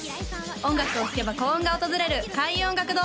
音楽を聴けば幸運が訪れる開運音楽堂